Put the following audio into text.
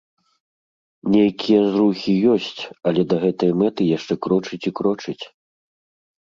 Нейкія зрухі ёсць, але да гэтай мэты яшчэ крочыць і крочыць.